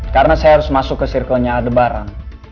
karena saya harus masuk ke circle nya aldebaran